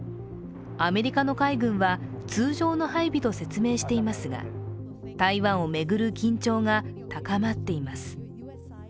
アメリカの海軍は通常の配備と説明していますが台湾を巡る緊張が高まっています。